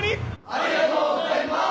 ありがとうございます！